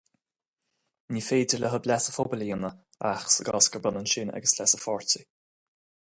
Ní féidir leo leas an phobail a dhéanamh ach sa chás gur ionann sin agus leas an phairtí.